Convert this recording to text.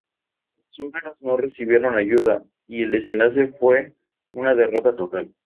Los húngaros no recibieron ayuda y el desenlace fue una derrota total.